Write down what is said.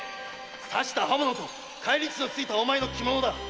刺した刃物と返り血の付いたお前の着物！〕